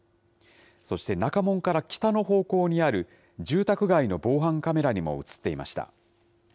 そして、中門から北の方向にある住宅街の防犯カメラにも写っていました。